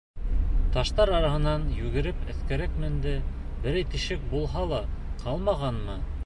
Таштар араһынан йүгереп өҫкәрәк менде, берәй тишек булһа ла ҡалмағанмы?